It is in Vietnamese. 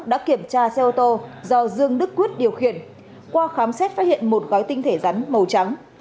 đã kiểm tra xe ô tô do dương đức quyết điều khiển qua khám xét phát hiện một gói tinh thể rắn màu trắng